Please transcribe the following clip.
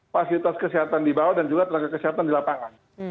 fasilitas kesehatan di bawah dan juga tenaga kesehatan di lapangan